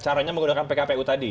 caranya menggunakan pkpu tadi